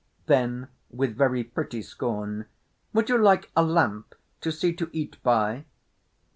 Then with very pretty scorn, "would you like a lamp to see to eat by?"